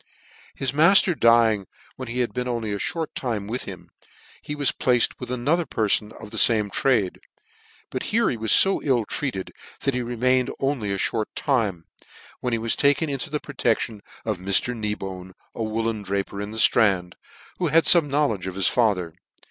His mafter dying when he had been only a more time with him, he was placed with another per fon of the fame trade : but here he was fo ill treated that he remained only a mort time, when he was taken into the protection of Mr. Knee bone, a whoollen draper in the itrand, who had fome knowledge of his father.